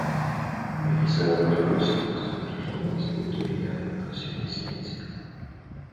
Eliza ganó reconocimiento en tres ramas: autoría, educación y ciencia.